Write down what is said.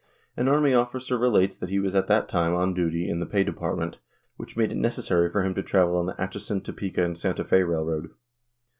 An army officer relates that he was at that time on duty in the pay department, which made it necessary for him to travel on the Atchison, Topeka & Santa Fe railroad.